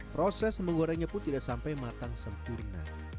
proses menggorengnya pun tidak sampai matang sempurna